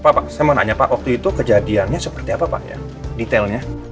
pak saya mau nanya pak waktu itu kejadiannya seperti apa pak ya detailnya